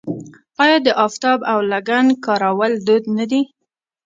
آیا د افتابه او لګن کارول دود نه دی؟